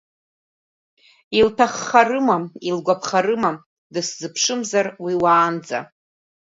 Илҭаххарыма, илгәаԥхарыма, дысзыԥшымзар уи уаанӡа?!